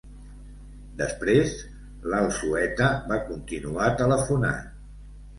Després, l'Alzueta va continuar telefonant.